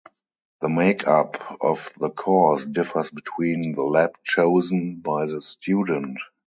The make-up of the course differs between the lab chosen by the student.